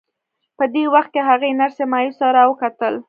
په دې وخت کې هغې نرسې مایوسه را وکتل